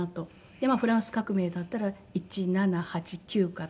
でフランス革命だったら１７８９かとか。